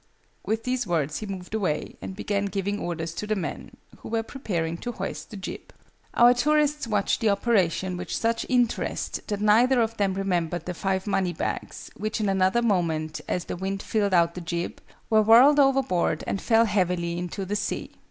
With these words he moved away, and began giving orders to the men, who were preparing to hoist the jib. Our tourists watched the operation with such interest that neither of them remembered the five money bags, which in another moment, as the wind filled out the jib, were whirled overboard and fell heavily into the sea.